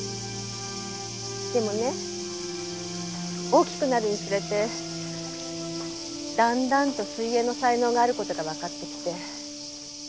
でもね大きくなるにつれてだんだんと水泳の才能がある事がわかってきて。